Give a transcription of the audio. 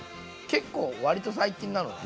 結構わりと最近なのね。